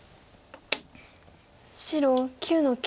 白９の九。